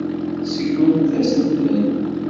Tseggmemt-asent-ten.